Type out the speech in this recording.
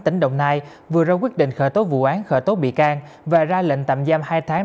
tỉnh đồng nai vừa ra quyết định khởi tố vụ án khởi tố bị can và ra lệnh tạm giam hai tháng